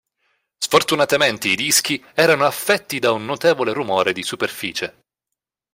Sfortunatamente i dischi erano affetti da un notevole rumore di superficie.